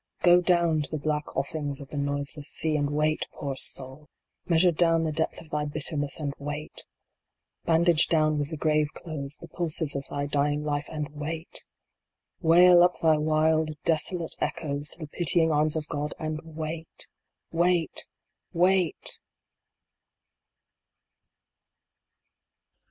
Go down to the black offings of the Noiseless Sea, and wait, poor Soul ! Measure down the depth of thy bitterness and wait ! Bandage down with the grave clothes the pulses of thy dying life and wait ! Wail up thy wild, desolate echoes to the pitying arms of God and wait ! Wait, wait